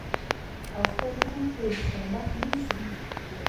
او خپل ژوند پرې پرمخ يوسي.